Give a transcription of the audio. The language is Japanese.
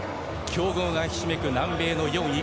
強豪がひしめく南米の４位。